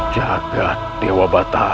jagat dewa batara